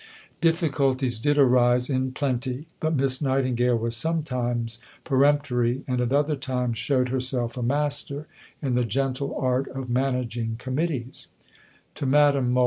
Difficulties did arise in plenty, but Miss Nightingale was sometimes peremptory, and at other times showed herself a master in the gentle art of managing committees: (_To Madame Mohl.